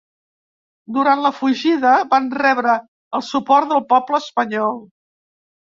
Durant la fugida van rebre el suport del poble espanyol.